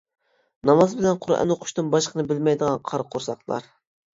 ناماز بىلەن قۇرئان ئوقۇشتىن باشقىنى بىلمەيدىغان قارا قورساقلار!